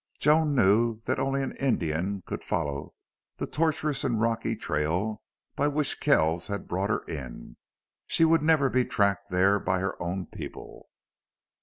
Joan knew that only an Indian could follow the tortuous and rocky trail by which Kells had brought her in. She would never be tracked there by her own people.